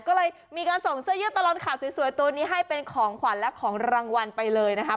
ก็เลยมีการส่งเสื้อยืดตลอดข่าวสวยตัวนี้ให้เป็นของขวัญและของรางวัลไปเลยนะครับ